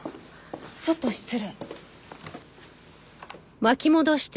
ちょっと失礼。